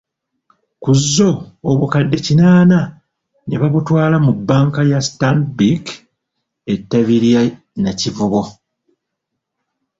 Ku zzo, obukadde kinaana ne babutwala mu banka ya Stanbic ettabi ly'e Nakivubo.